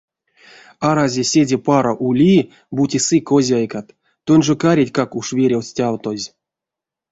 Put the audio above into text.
Арази седе паро ули, бути сы козяйкат, тонь жо каретькак уш верев стявтозь.